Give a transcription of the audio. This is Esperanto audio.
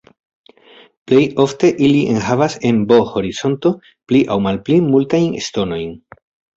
Plej ofte ili enhavas en B-horizonto pli aŭ malpli multajn ŝtonojn.